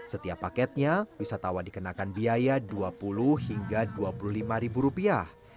setiap paketnya wisatawan dikenakan biaya dua puluh hingga dua puluh lima ribu rupiah